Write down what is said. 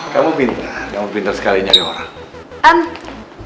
kamu pinter kamu pinter sekali nyari orang